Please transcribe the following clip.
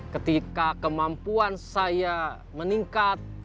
ketika kemampuan saya meningkat